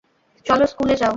চল স্কুলে যাও।